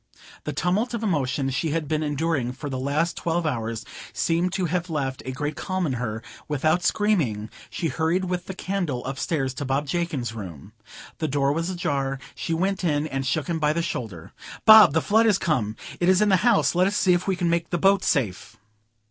The tumult of emotion she had been enduring for the last twelve hours seemed to have left a great calm in her; without screaming, she hurried with the candle upstairs to Bob Jakin's bedroom. The door was ajar; she went in and shook him by the shoulder. "Bob, the flood is come! it is in the house; let us see if we can make the boats safe."